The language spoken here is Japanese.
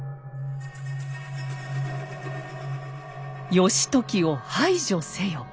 「義時を排除せよ」。